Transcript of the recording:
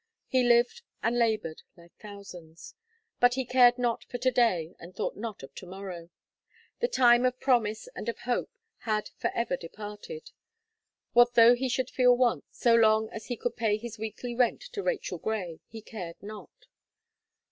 He lived and laboured, like thousands; but he cared not for to day, and thought not of to morrow; the Time of Promise and of Hope had for ever departed. What though he should feel want, so long as he could pay his weekly rent to Rachel Gray, he cared not.